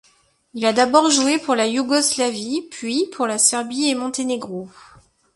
Il a d'abord joué pour la Yougoslavie puis pour la Serbie-et-Monténégro.